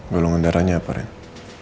golongan darahnya apa reina